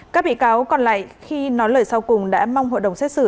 các bị cáo còn lại khi nói lời sau cùng đã mong hội đồng xét xử